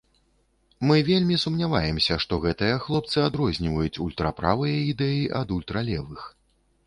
Мы вельмі сумняваемся, што гэтыя хлопцы адрозніваюць ультраправыя ідэі ад ультралевых.